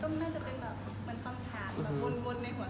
ก็มันก็เป็นแบบคำถามหวนในหัวตลอด